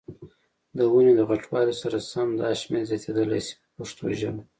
د ونې د غټوالي سره سم دا شمېر زیاتېدلای شي په پښتو ژبه.